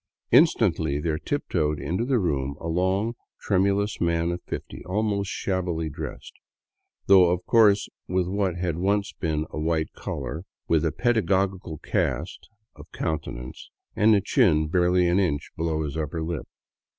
Instantly there tiptoed into the room a long, tremulous man of fifty, almost shabbily dressed, though of course with what had once been a white collar, with a pedagogical cast of countenance and a chin barely an inch below his upper lip.